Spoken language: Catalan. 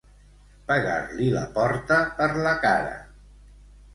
Pegar-li la porta per la cara.